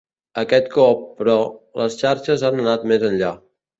Aquest cop, però, les xarxes han anat més enllà.